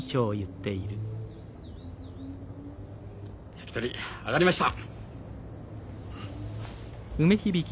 関取上がりました。